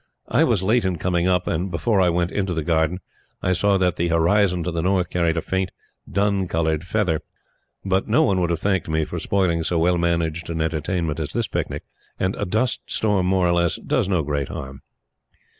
I was late in coming up; and before I went into the garden, I saw that the horizon to the north carried a faint, dun colored feather. But no one would have thanked me for spoiling so well managed an entertainment as this picnic and a dust storm, more or less, does no great harm.